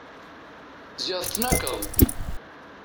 Ziɣ tetnakeḍ!